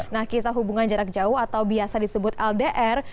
nah kisah hubungan jarak jauh atau biasa disebut ldr